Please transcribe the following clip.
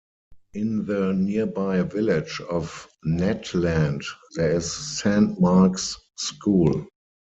In the nearby village of Natland, there is Saint Mark's School.